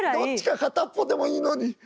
どっちか片っぽでもいいのに。